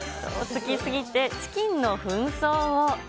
好きすぎて、チキンのふん装を。